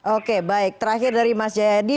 oke baik terakhir dari mas jayadi